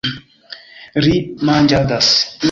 Ri manĝadas.